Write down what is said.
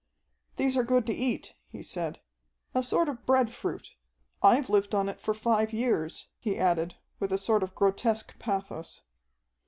"These are good to eat," he said. "A sort of bread fruit. I've lived on it for five years," he added with a sort of grotesque pathos.